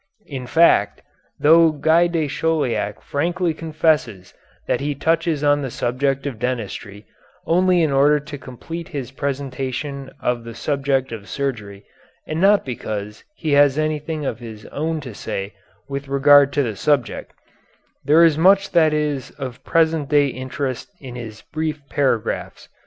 In fact, though Guy de Chauliac frankly confesses that he touches on the subject of dentistry only in order to complete his presentation of the subject of surgery and not because he has anything of his own to say with regard to the subject, there is much that is of present day interest in his brief paragraphs.